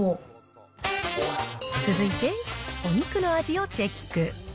続いて、お肉の味をチェック。